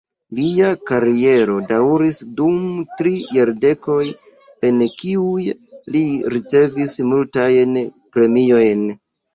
Lia kariero daŭris dum tri jardekoj, en kiuj li ricevis multajn premiojn.